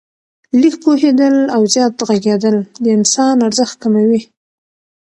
لږ پوهېدل او زیات ږغېدل د انسان ارزښت کموي.